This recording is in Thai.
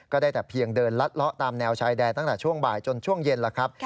ได้แต่เพียงเดินลัดเลาะตามแนวชายแดนตั้งแต่ช่วงบ่ายจนช่วงเย็นแล้วครับ